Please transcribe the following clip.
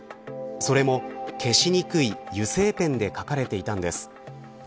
それも、消しにくい油性ペンで書かれていたんです。